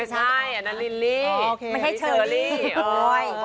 ไม่ใช่อันนั้นลินลีไม่ใช่เชอร์ลี